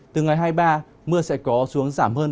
từ ngày hai mươi ba mưa sẽ có xuống giảm hơn